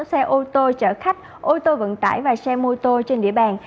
xe ô tô chở khách ô tô vận tải và xe mô tô trên địa bàn